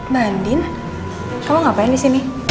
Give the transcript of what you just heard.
mbak andin kamu ngapain di sini